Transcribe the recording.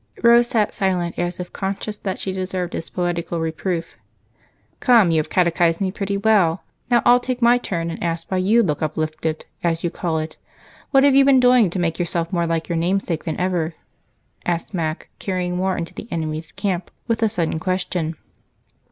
Rose sat silent, as if conscious that she deserved his poetical reproof. "Come, you have catechized me pretty well; now I'll take my turn and ask you why you look 'uplifted,' as you call it. What have you been doing to make yourself more like your namesake than ever?" asked Mac, carrying war into the enemy's camp with the sudden question.